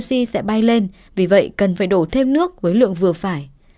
nguyên tắc là oxy sẽ bay lên vì vậy cần phải đổ thêm nước với lượng vừa phải